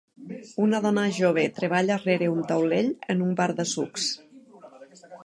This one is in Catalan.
Una dona jove treballa rere un taulell en un bar de sucs.